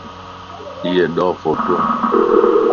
ايي ڏھه ڦوٽوون